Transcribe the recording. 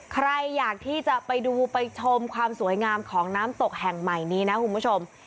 ใครอยากที่จะไปดูไปชมความสวยงามของน้ำตกแห่งใหม่นี้นะคุณผู้ชม